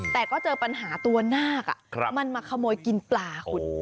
แต่ก็เจอปัญหาตัวนาคมันมาขโมยกินปลาคุณ